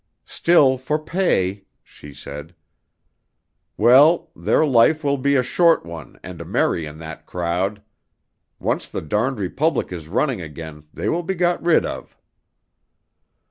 "Still for pay," she said. "Well, their life will be a short one and a merry in that crowd. Once the darned republic is running again, they will be got rid of."